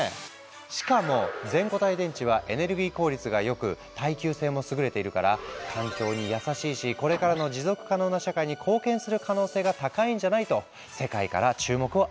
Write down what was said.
しかも全固体電池はエネルギー効率が良く耐久性も優れているから「環境に優しいしこれからの持続可能な社会に貢献する可能性が高いんじゃない？」と世界から注目を集めている。